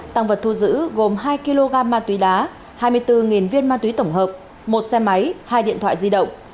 tăng vật thu giữ gồm hai kg ma túy đá hai mươi bốn viên ma túy tổng hợp một xe máy hai điện thoại di động